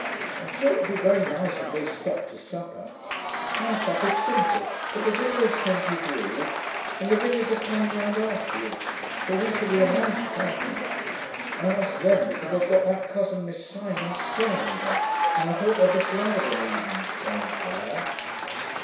I'm sure it would be very nice if they stopped to supper. Our supper's simple, but there's always plenty for all. And the Vinneys are coming round afterwards, so we shall be a nice party. I asked them because they've got that cousin, Miss Simon, staying with them, and I thought they'd be glad of an evening's change for her.'